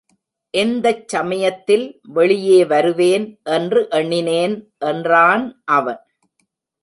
எந்தச் சமயத்தில் வெளியே வருவேன், என்று எண்ணினேன் என்றான் அவன்.